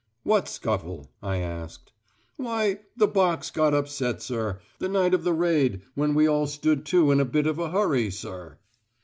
"What scuffle?" I asked. "Why, the box got upset, sir, the night of the raid when we all stood to in a bit of a hurry, sir."